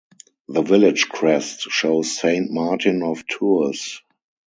The village crest shows Saint Martin of Tours.